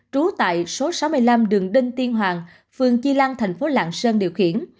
trú tại số sáu mươi năm đường đân tiên hoàng phường chi lan thành phố lạng sơn điều khiển